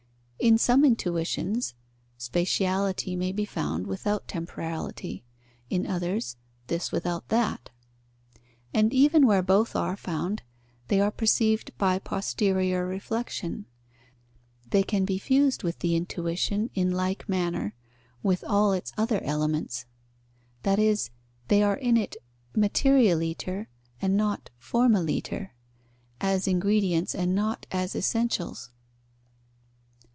In some intuitions, spatiality may be found without temporality, in others, this without that; and even where both are found, they are perceived by posterior reflexion: they can be fused with the intuition in like manner with all its other elements: that is, they are in it materialiter and not formaliter, as ingredients and not as essentials.